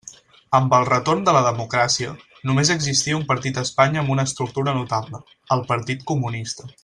Amb el retorn de la democràcia, només existia un partit a Espanya amb una estructura notable: el Partit Comunista.